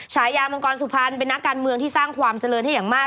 ฉายามังกรสุพรรณเป็นนักการเมืองที่สร้างความเจริญให้อย่างมาก